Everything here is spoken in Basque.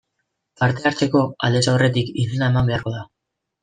Parte hartzeko, aldez aurretik izena eman beharko da.